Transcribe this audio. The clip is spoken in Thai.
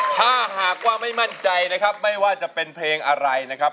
ถ้าหากว่าไม่มั่นใจนะครับไม่ว่าจะเป็นเพลงอะไรนะครับ